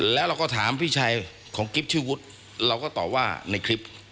แล้วเราก็ถามพี่ชายของกิ๊บชื่อวุฒิเราก็ตอบว่าในคลิป